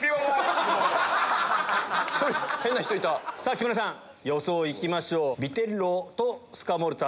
さぁ木村さん予想いきましょう。